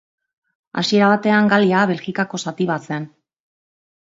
Hasiera batean Galia Belgikako zati bat zen.